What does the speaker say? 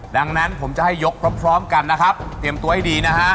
ดังนั้นผมจะให้ยกพร้อมกันนะครับเตรียมตัวให้ดีนะฮะ